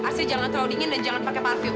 asli jangan terlalu dingin dan jangan pakai parkir